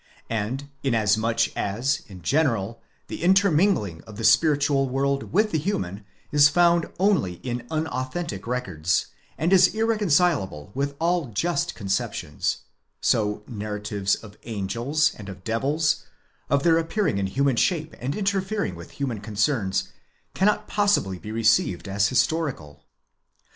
And inasmuch as, in general, the intermingling of the spiritual world with the human is found only in unauthentic records, and is irreconcilable with all just conceptions ; so natratives of angels and of devils, of their appearing in human shape and interfering with human concerns, cannot possibly be received as historical.